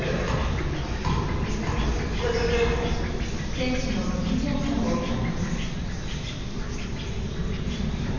選手の緊張感を探ります。